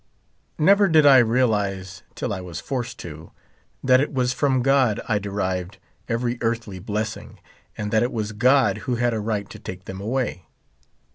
36 Never did I realize, till I was forced to, that it was from God I derived every earthly blessing, and that it was God who had a right to take them away.